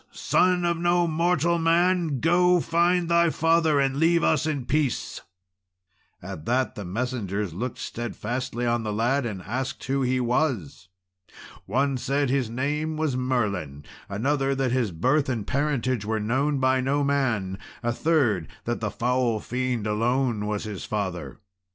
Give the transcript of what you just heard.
Son of no mortal man! go, find thy father, and leave us in peace." At that the messengers looked steadfastly on the lad, and asked who he was. One said his name was Merlin; another, that his birth and parentage were known by no man; a third, that the foul fiend alone was his father.